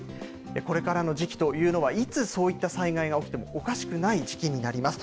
これからの時期というのは、いつそういった災害が起きてもおかしくない時期になります。